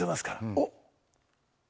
おっ。